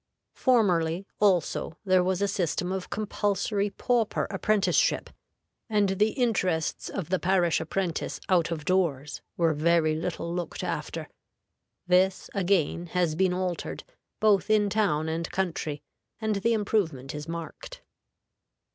Formerly, also, there was a system of compulsory pauper apprenticeship, and the interests of the parish apprentice out of doors were very little looked after. This, again, has been altered, both in town and country, and the improvement is marked.